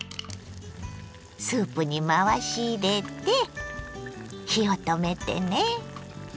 スープに回し入れて火を止めてね。